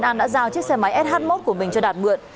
nào chiếc xe máy sh một của mình cho đạt mượn